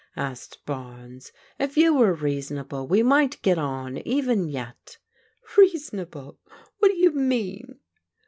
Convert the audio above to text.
asked Barnes. "If you were reasonable we might get on, even yet." " Reasonable! What do you mean?"